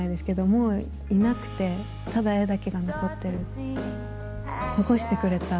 もういなくてただ絵だけが残ってる。